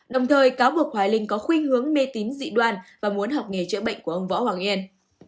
đồng thời cáo buộc hoài linh có khuyên hướng mê tín dị đoàn và muốn học nghề chữa bệnh của ông võ hoàng yên